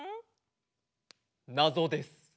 なぞです。